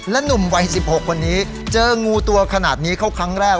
หนุ่มวัย๑๖คนนี้เจองูตัวขนาดนี้เข้าครั้งแรก